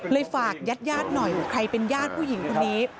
ฝากญาติหน่อยใครเป็นญาติผู้หญิงคนนี้